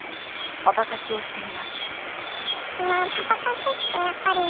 パパ活をしています。